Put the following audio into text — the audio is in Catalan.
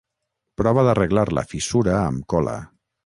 Prova d'arreglar la fissura amb cola.